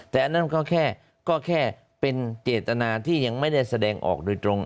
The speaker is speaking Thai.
แต่อันนั้นก็แค่ก็แค่เป็นเจตนาที่ยังไม่ได้แสดงออกโดยตรง